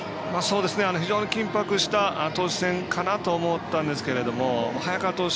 非常に緊迫した投手戦かなと思ったんですが早川投手